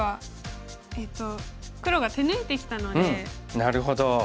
なるほど。